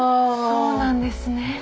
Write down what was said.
そうなんですね。